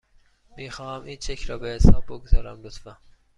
میخواهم این چک را به حساب بگذارم، لطفاً.